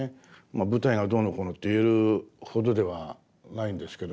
舞台がどうのこうのって言えるほどではないんですけど。